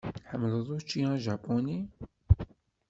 Tḥemmleḍ učči ajapuni?